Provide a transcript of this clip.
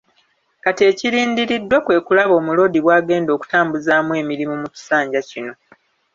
Kati ekirindiriddwa kwe kulaba Omuloodi bw’agenda okutambuzaamu emirimu mu kisanja kino .